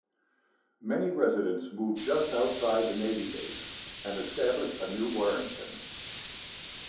Many residents moved just outside the navy base, and established a New Warrington.